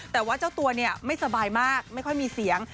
แต่ว่าเจ้าตัวไม่สบายมากไม่ค่อยมีเสียง